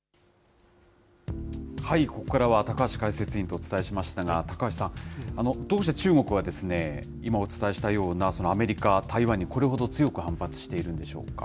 ここからは高橋解説委員とお伝えしましたが、高橋さん、どうして中国は今お伝えしたようなアメリカ、台湾にこれほど強く反発しているんでしょうか。